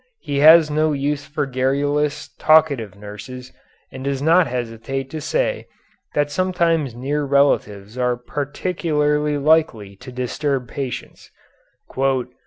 He has no use for garrulous, talkative nurses, and does not hesitate to say that sometimes near relatives are particularly likely to disturb patients.